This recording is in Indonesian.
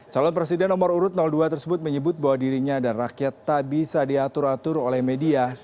calon presiden nomor urut dua tersebut menyebut bahwa dirinya dan rakyat tak bisa diatur atur oleh media